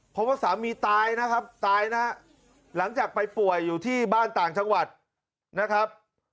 เพราะว่าสามีตายนะครับตายนะฮะหลังจากไปป่วยอยู่ที่บ้านต่างจังหวัดนะครับ